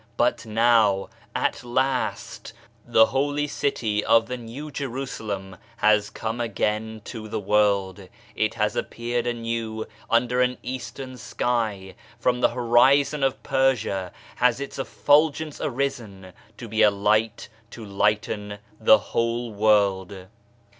But now, at last, the Holy City of the New Jerusalem has come again to the world, it has appeared anew under an Eastern sky ; from the horizon of Persia has its effulgence arisen to be a light to lighten the whole world.